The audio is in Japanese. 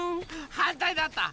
はんたいだった。